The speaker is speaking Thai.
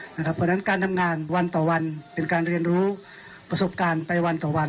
เพราะฉะนั้นการทำงานวันต่อวันเป็นการเรียนรู้ประสบการณ์ไปวันต่อวัน